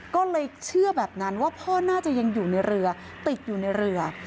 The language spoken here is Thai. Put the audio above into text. ก็เลยเชื่อแบบนั้นว่าพ่อน่าจะยังอยู่ในเรือติดอยู่ในเรือ